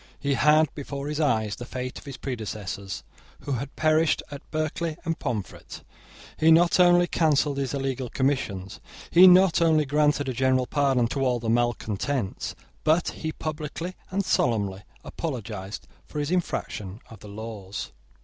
He had before his eyes the fate of his predecessors who had perished at Berkeley and Pomfret. He not only cancelled his illegal commissions; he not only granted a general pardon to all the malecontents; but he publicly and solemnly apologised for his infraction of the laws.